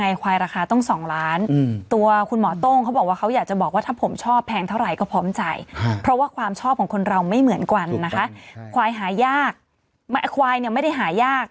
ได้ยังไงควายราคาต้อง๒ล้านตัวคุณหมอโต้งเขาบอกว่าเขาอยากจะบอกว่าถ้าผมชอบแพงเท่าไหร่ก็พร้อมจ่ายเพราะว่าความชอบของคนเราไม่เหมือนกว่านะคะควายหายาก